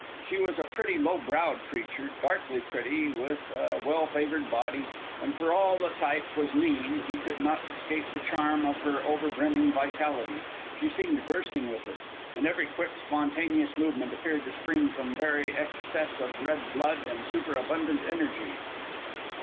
She was a pretty, low browed creature; darkly pretty, with a well favored body, and for all that the type was mean, he could not escape the charm of her over brimming vitality. She seemed bursting with it, and every quick, spontaneous movement appeared to spring from very excess of red blood and superabundant energy.